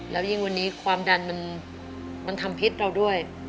แล้วยิ่งวันนี้ความดันมันทำพิษเราด้วย